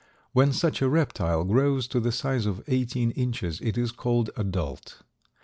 When such a reptile grows to the size of eighteen inches it is called adult.